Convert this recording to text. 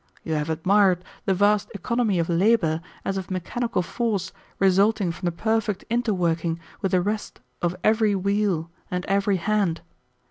You have admired the vast economy of labor as of mechanical force resulting from the perfect interworking with the rest of every wheel and every hand.